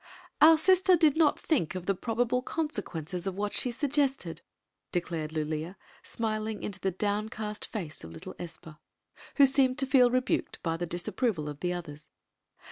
" Our sister did not think of the probable conse quences of what she suggested," declared Lulea, smil ing into the downcast face little Espa, who seemed 8 Queen Zixi of Ix; or, the to feel rebuked by the disapproval of the others.